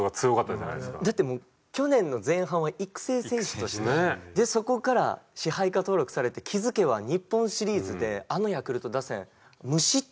だってもう去年の前半は育成選手として。でそこから支配下登録されて気づけば日本シリーズであのヤクルト打線無失点で抑えてますから。